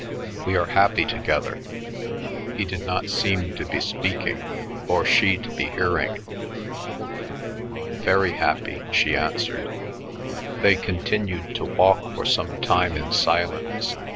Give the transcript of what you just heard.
"We are happy together." He did not seem to be speaking, or she to be hearing. "Very happy," she answered. They continued to walk for some time in silence.